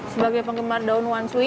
sebagai penggemar daun wanshui